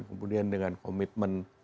kemudian dengan komitmen